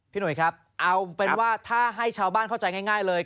หนุ่ยครับเอาเป็นว่าถ้าให้ชาวบ้านเข้าใจง่ายเลย